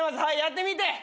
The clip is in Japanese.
はいやってみて。